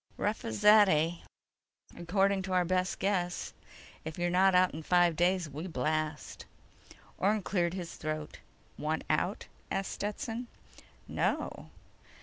"Rough as that, eh?" "According to our best guess. If you're not out in five days, we blast." Orne cleared his throat. "Want out?" asked Stetson. "No."